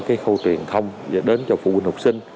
cái khâu truyền thông và đến cho phụ huynh học sinh